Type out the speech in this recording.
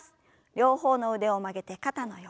両方の腕を曲げて肩の横。